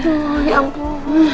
aduh ya ampun